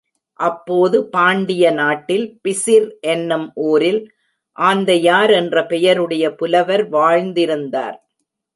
அப்போது பாண்டிய நாட்டில், பிசிர் என்னும் ஊரில், ஆந்தையார் என்ற பெயருடைய புலவர் வாழ்ந்திருந்தார்.